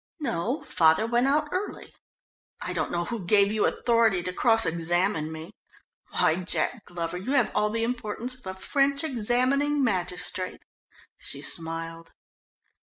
"No, father went out early. I don't know who gave you authority to cross examine me. Why, Jack Glover, you have all the importance of a French examining magistrate," she smiled.